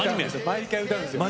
毎回歌うんですよ。